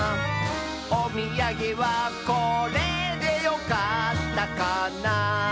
「おみやげはこれでよかったかな」